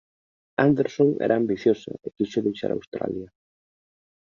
Anderson era ambiciosa e quixo deixar Australia.